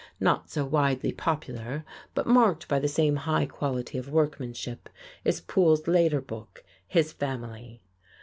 Not so widely popular, but marked by the same high quality of workmanship, is Mr. Poole's later book, "His Family."